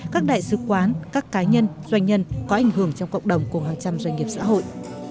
các đại sứ quán các cá nhân doanh nhân có ảnh hưởng trong cộng đồng của hàng trăm doanh nghiệp xã hội